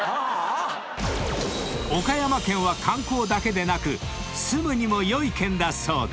［岡山県は観光だけでなく住むにもよい県だそうで］